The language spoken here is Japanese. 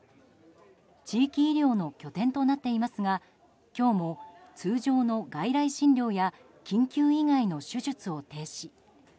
地域医療の拠点となっていますが今日も通常の外来診療や緊急以外の手術を停止。